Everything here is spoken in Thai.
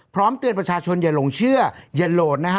เตือนประชาชนอย่าหลงเชื่ออย่าโหลดนะฮะ